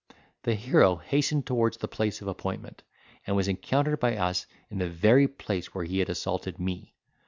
The hero hastened towards the place of appointment, and was encountered by us in the very place where he had assaulted me.